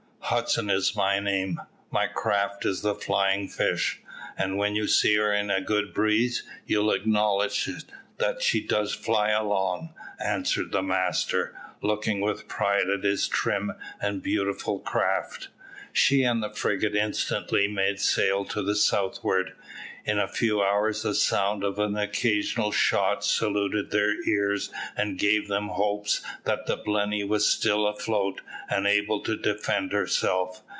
"Hudson is my name my craft is the Flying Fish; and when you see her in a good breeze, you'll acknowledge that she does fly along," answered the master, looking with pride at his trim and beautiful craft. She and the frigate instantly made sail to the southward. In a few hours the sound of an occasional shot saluted their ears and gave them hopes that the Blenny was still afloat and able to defend herself.